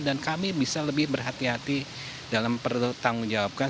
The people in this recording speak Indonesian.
dan kami bisa lebih berhati hati dalam bertanggung jawabkan